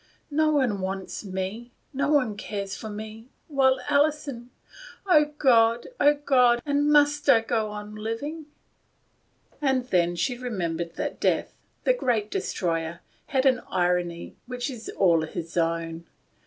" No one wants me, no one cares for me ; while Alison O God ! O God ! and must I go on living ?" And then she remembered that Death, the great destroyer, had an irony which is all his own.